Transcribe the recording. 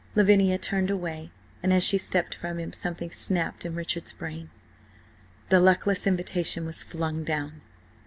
Lavinia turned away, and as she stepped from him something snapped in Richard's brain. The luckless invitation was flung down.